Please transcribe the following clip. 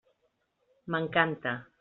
M'encanta.